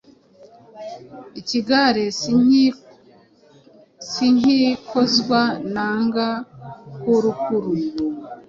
Ikigale sinkikozwa nanga kurukuru